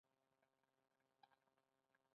دلته راتللی شې؟